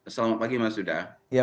selamat pagi mas duda